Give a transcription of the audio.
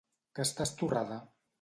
Que estàs torrada?